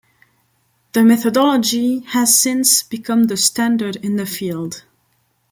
The methodology has since become the standard in the field.